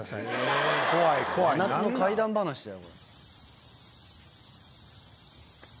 真夏の怪談話だよ。